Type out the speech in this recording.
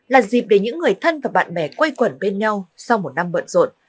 là dịp để những người thân và bạn bè quay quẩn bên nhau sau một năm bận rộn